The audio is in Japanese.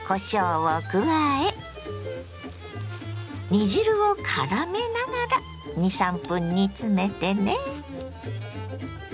煮汁をからめながら２３分煮詰めてね。